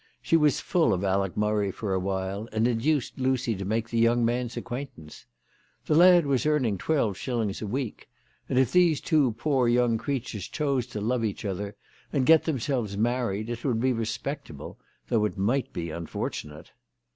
She was full of Alec Murray for awhile, and induced Lucy to make the young man's acquaintance. The lad was earning twelve shillings a week, and if these two poor young creatures chose to love each other and get themselves married, it would be respectable, though it might be unfortunate.